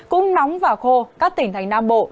cũng nóng và khô các tỉnh thành nam bộ